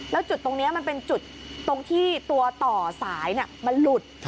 แล้วจุดตรงนี้มันเป็นจุดตรงที่ตัวต่อสายมันหลุด